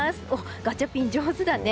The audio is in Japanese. ガチャピン、上手だね。